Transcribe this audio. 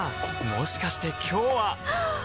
もしかして今日ははっ！